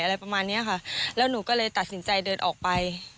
อะไรประมาณเนี้ยค่ะแล้วหนูก็เลยตัดสินใจเดินออกไป